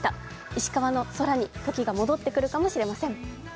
石川の空にトキが戻ってくるかもしれません。